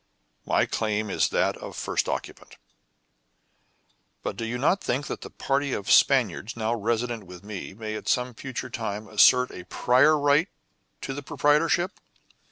"My claim is that of first occupant." "But do you not think that the party of Spaniards now resident with me may at some future time assert a prior right to the proprietorship?"